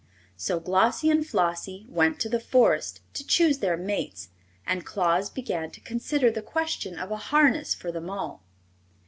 So Glossie and Flossie went to the Forest to choose their mates, and Claus began to consider the question of a harness for them all.